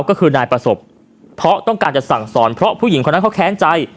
ก็คือนายประสบเพราะต้องการจะสั่งสอนเพราะผู้หญิงคนนั้นเขาแค้นใจ